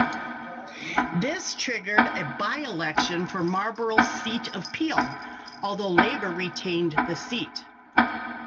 This triggered a by-election for Marlborough's seat of Peel, although Labor retained the seat.